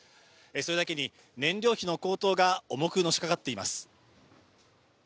それだけに、燃料費の高騰が重くのしかかっています。